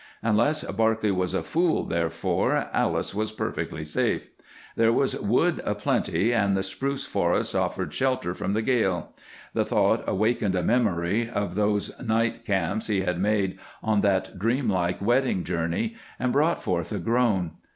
Unless Barclay was a fool, therefore, Alice was perfectly safe. There was wood aplenty, and the spruce forests offered shelter from the gale. The thought awakened a memory of those night camps he had made on that dreamlike wedding journey and brought forth a groan.